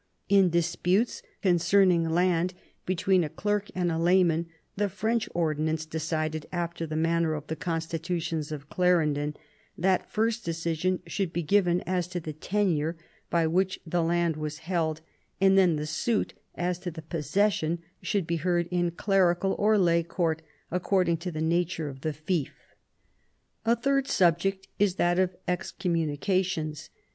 In disputes concerning land between a clerk and a layman the French ordinance decided after the manner of the Constitutions of Clarendon, that first decision should be given as to the tenure by which the land was held, and then the suit as to the possession should be heard in clerical or lay court according to the nature of the fief. A third subject is that of excommunications.